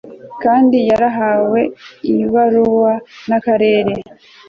kandi yarahawe ibaruwa n akarere